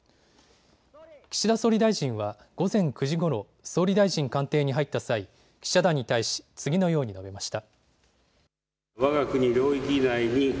岸田総理大臣は午前９時ごろ総理大臣官邸に入った際、記者団に対し次のように述べました。